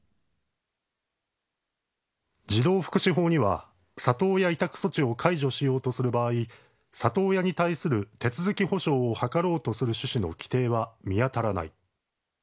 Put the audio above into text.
児童福祉法には里親委託措置を解除しようとする場合里親に対する手続保障を図ろうとする趣旨の規定は見当たらない